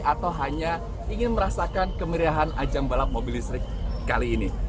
atau hanya ingin merasakan kemeriahan ajang balap mobil listrik kali ini